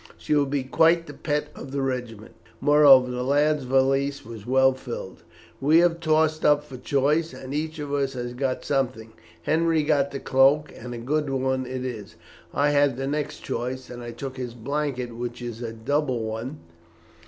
She will be quite the pet of the regiment. Moreover, the lad's valise was well filled. We have tossed up for choice, and each of us has got something. Henri got the cloak, and a good one it is. I had the next choice, and I took his blanket, which is a double one.